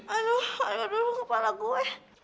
aduh ayo dulu kepala gue